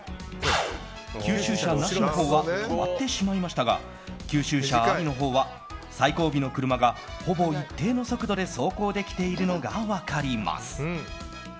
吸収車なしのほうが止まってしまいましたが吸収車ありのほうは最後尾の車がほぼ一定の速度で走行できているのが分かります。